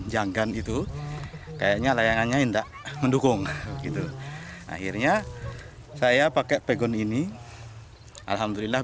janggan itu kayaknya layangannya indah mendukung gitu akhirnya saya pakai pegon ini alhamdulillah